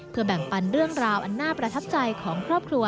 แบ่งปันเรื่องราวอันน่าประทับใจของครอบครัว